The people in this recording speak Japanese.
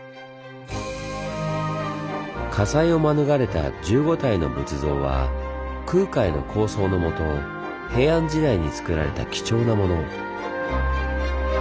火災を免れた１５体の仏像は空海の構想のもと平安時代につくられた貴重なもの。